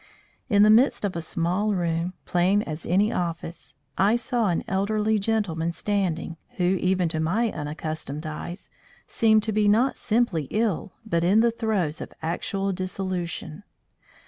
In the midst of a small room, plain as any office, I saw an elderly gentleman standing who, even to my unaccustomed eyes, seemed to be not simply ill, but in the throes of actual dissolution.